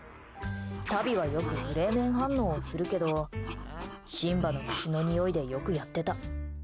タビはよくフレーメン反応をするけどシンバの口のにおいでよくやってた。